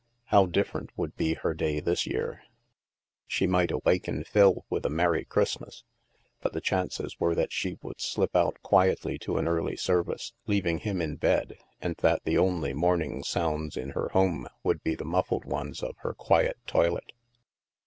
How different would be her day this year ! She might awaken Phil with a " Merry Christmas," but the chances were that she would slip out quietly to an early service, leaving him in bed, and that the only morning soimds in their home would be the muffled ones of her quiet toilet.